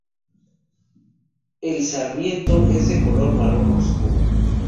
El sarmiento es de color marrón oscuro.